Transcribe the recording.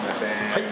はい。